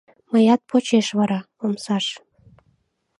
Мыят почеш вара — омсаш.